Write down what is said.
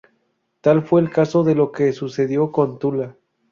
Tal fue el caso de lo que sucedió con Tula.